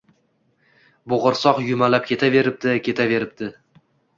Bo’g’irsoq yumalab ketaveribdi, ketaveribdi